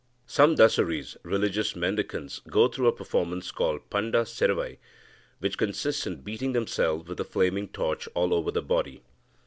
Some Dasaris (religious mendicants) go through a performance called Panda Servai, which consists in beating themselves with a flaming torch all over the body.